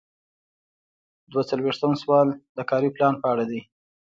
دوه څلویښتم سوال د کاري پلان په اړه دی.